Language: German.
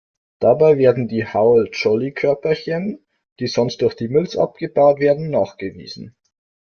Dabei werden die Howell-Jolly-Körperchen, die sonst durch die Milz abgebaut werden, nachgewiesen.